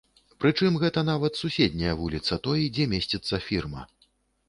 Прычым гэта нават суседняя вуліца той, дзе месціцца фірма.